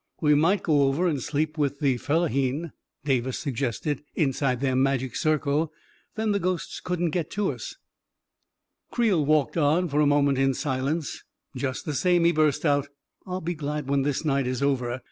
" We might go over and sleep with the fellahin," Davis suggested, " inside their magic circle. Then the ghosts couldn't get us !." Creel walked on for a moment in silence. " Just the same," he burst out, " I'll be glad when this night is over